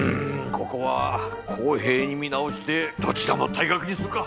ここは公平に見直してどちらも退学にするか。